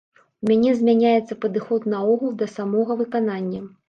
У мяне змяняецца падыход наогул да самога выканання.